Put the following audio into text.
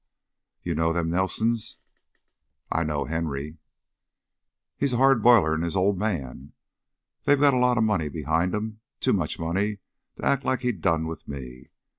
"You know them Nelsons?" "I know Henry." "He's hard boilder 'n his old man. They got a lot o' money behind 'em too much money to act like he done with me.